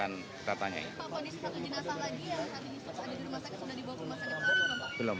pak apa di satu jenazah lagi yang ada di rumah sakit sudah dibawa ke rumah sakit tadi belum pak